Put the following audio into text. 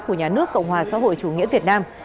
của nhà nước cộng hòa xã hội chủ nghĩa việt nam